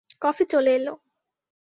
Coffee চলে এল।